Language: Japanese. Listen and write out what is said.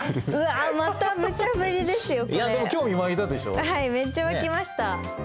はいめっちゃ湧きました。